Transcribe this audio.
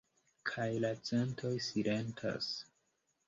Kaj la centoj silentas.